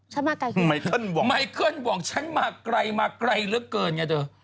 ฉันมาไกลไงไม่เคลื่อนหวังไม่เคลื่อนหวังฉันมาไกลมาไกลเหลือเกินไงเถอะ